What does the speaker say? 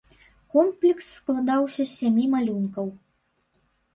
Комплекс складаўся з сямі малюнкаў.